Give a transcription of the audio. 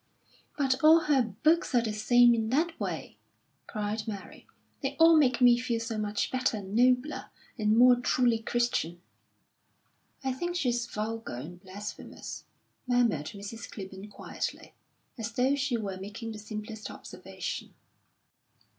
"But all her books are the same in that way!" cried Mary. "They all make me feel so much better and nobler, and more truly Christian." "I think she's vulgar and blasphemous," murmured Mrs. Clibborn quietly, as though she were making the simplest observation.